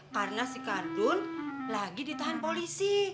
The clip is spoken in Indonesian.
karena si kardun lagi ditahan polisi